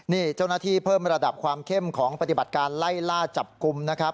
นี่เจ้าหน้าที่เพิ่มระดับความเข้มของปฏิบัติการไล่ล่าจับกลุ่มนะครับ